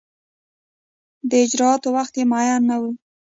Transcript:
د اجرا وخت یې معین نه وي.